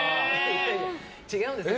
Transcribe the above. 違うんですよ。